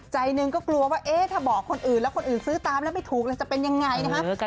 ใจหนึ่งก็กลัวว่าเอ๊ะถ้าบอกคนอื่นแล้วคนอื่นซื้อตามแล้วไม่ถูกแล้วจะเป็นยังไงนะฮะ